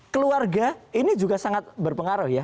keluarga ini juga sangat berpengaruh ya